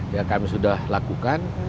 ya kami sudah lakukan